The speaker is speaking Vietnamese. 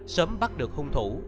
sớm bắt được hung thủ